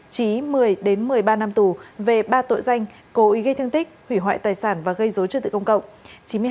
trí một mươi một mươi ba năm tù về ba tội danh cố ý gây thương tích hủy hoại tài sản và gây dối trật tự công cộng